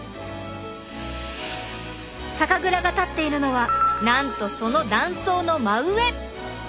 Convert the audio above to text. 酒蔵が建っているのはなんとその断層の真上！